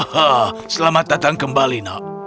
hahaha selamat datang kembali nak